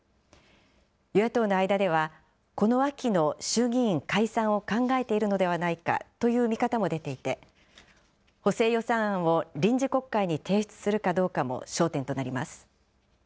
与野党の間では、この秋の衆議院解散を考えているのではないかという見方も出ていて、補正予算案を臨時国会に提出するかどうかも焦点となります。